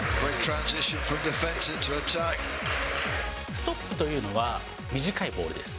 ストップというのは、短いボールです。